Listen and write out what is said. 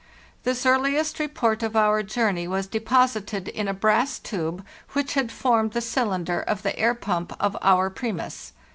This earliest report of our journey was deposited in a brass tube which had formed the cylinder of the air pump of our" Primus."